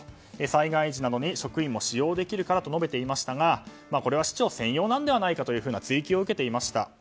災害時などに職員も使用できるからと述べていましたが市長専用ではないかという追及を受けていました。